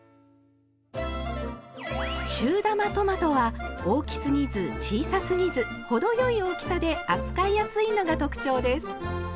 中玉トマトは大きすぎず小さすぎず程よい大きさで扱いやすいのが特徴です。